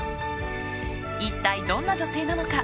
一体どんな女性なのか。